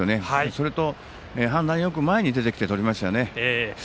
それとよく前に出てきてとりましたよね。